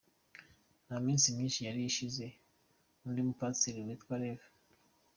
Nta minsi myinshi yari ishize undi mupasiteri witwa Rev.